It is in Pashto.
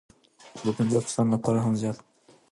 چې د پنځو کسانو لپاره هم زیات وو،